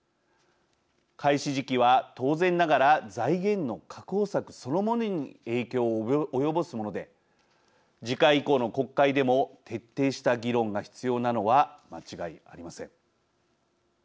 開始時期は当然ながら財源の確保策そのものに影響を及ぼすもので次回以降の国会でも徹底した議論が必要なのは間違いありません。